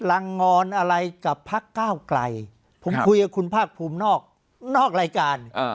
ลังงอนอะไรกับพักก้าวไกลผมคุยกับคุณภาคภูมินอกรายการ